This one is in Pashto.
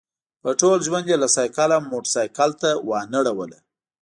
په ټول ژوند یې له سایکل موټرسایکل وانه ړوله.